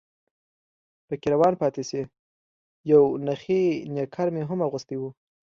پکې روان پاتې شي، یو نخی نیکر مې هم اغوستی و.